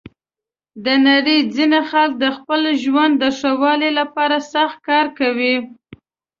د نړۍ ځینې خلک د خپل ژوند د ښه والي لپاره سخت کار کوي.